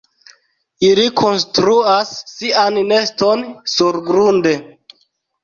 Ili konstruas sian neston surgrunde.